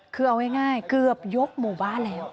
คือเอาง่ายเกือบยกหมู่บ้านแล้ว